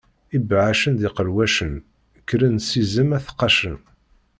Ibeɛɛacen d iqelwacen, kkren-d s izem ad t-qqacen.